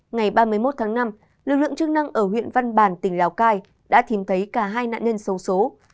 ngày ba mươi một tháng năm lực lượng chức năng ở huyện văn bàn tỉnh lào cai đã tìm thấy cả hai nạn nhân xấu xố